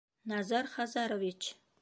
Назар Хазарович!